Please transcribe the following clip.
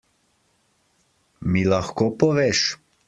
Mi lahko poveš?